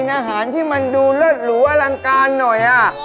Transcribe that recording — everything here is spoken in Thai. โรงเรียนอ่านโรงเรียนฝึกหมานะ